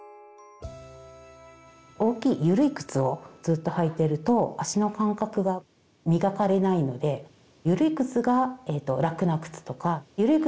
大きいゆるい靴をずっと履いてると足の感覚が磨かれないのでとかゆるい